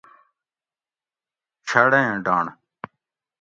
چھڑ ایں ڈنڑ